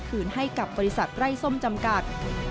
คืนให้กับบริษัทไร้ส้มจำกัด